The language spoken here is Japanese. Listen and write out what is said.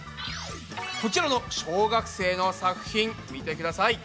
こちらの小学生の作品見てください。